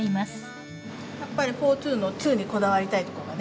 やっぱりフォーツーのツーにこだわりたいとこがね。